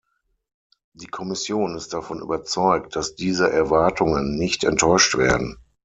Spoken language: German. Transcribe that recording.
Die Kommission ist davon überzeugt, dass diese Erwartungen nicht enttäuscht werden.